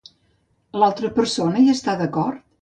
L'altra persona hi està d'acord?